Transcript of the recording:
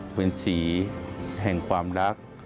เป็นสีแห่งความรัก